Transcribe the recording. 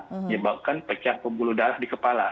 menyebabkan pecah pembuluh darah di kepala